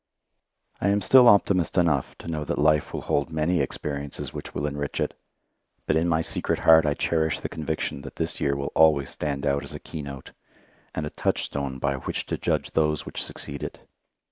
I am still optimist enough to know that life will hold many experiences which will enrich it, but in my secret heart I cherish the conviction that this year will always stand out as a keynote, and a touchstone by which to judge those which succeed it.